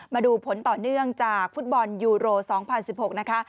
มาดูผลต่อเนื่องจากฟุตบอลยูโร๒๐๑๖นะคะ